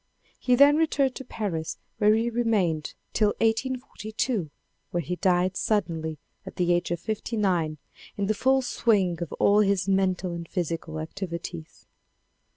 He then returned to Paris where he remained till 1842, where he died suddenly at the age of fifty nine in the full swiug of all his mental and physical activities.